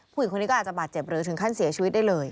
ผู้หญิงคนนี้ก็อาจจะบาดเจ็บหรือถึงขั้นเสียชีวิตได้เลย